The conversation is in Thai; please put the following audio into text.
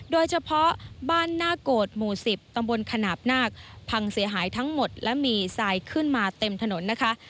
โดยเฉพาะบ้านหน้าโกรธหมู่๑๐ตำบลขนาดนาคพังเสียหายทั้งหมดและมีทรายขึ้นมาเต็มถนนนะคะ